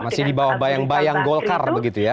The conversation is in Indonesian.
masih dibawa bayang bayang golkar begitu ya